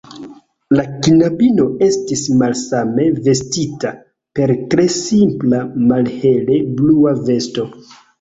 La knabino estis malsame vestita, per tre simpla, malhele blua vesto.